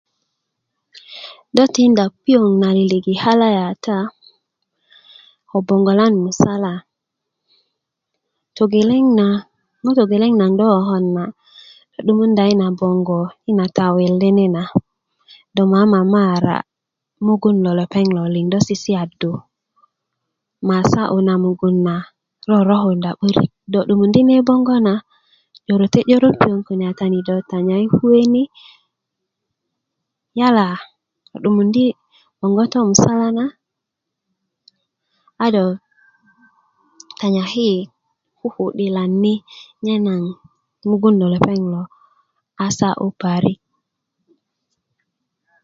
do tinda piöŋ na lilik i kalaya kata ko bongolan musala togeleŋ ŋo togeleŋ na do kokon na a 'dumunda na bong i na tawel do mamamara mugun lo lepeŋ lo do si siyadu ma sa'yu na rorokadu do 'dumundi nen bongo na 'yöröte 'yöröt piöŋ kune kata yu do tanyaki kuwe ni yala do 'dumundi bongo to musala na a do tanyaki i kuku'dilan ni nye na mugun lo lepeŋ lo a sa'yu parik